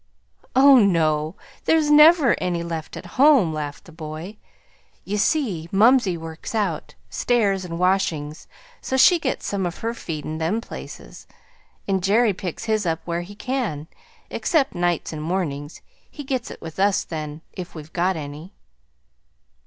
"Oh, no, there's NEVER any left at home," laughed the boy. "You see, mumsey works out stairs and washings so she gets some of her feed in them places, and Jerry picks his up where he can, except nights and mornings; he gets it with us then if we've got any."